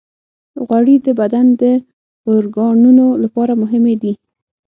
غوړې د بدن د اورګانونو لپاره مهمې دي.